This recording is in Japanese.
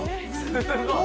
すごい。